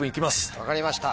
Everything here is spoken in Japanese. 分かりました。